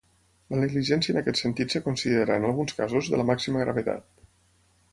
La negligència en aquest sentit es considera, en alguns casos, de la màxima gravetat.